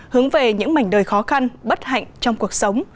hướng về những mảnh đời khó khăn bất hạnh trong cuộc sống